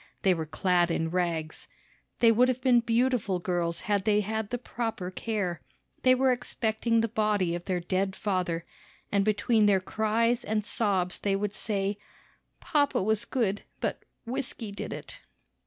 They were clad in rags. They would have been beautiful girls had they had the proper care. They were expecting the body of their dead father, and between their cries and sobs they would say, "Papa was good, but whisky did it."